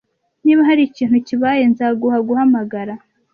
Niba hari ikintu kibaye, nzaguha guhamagara.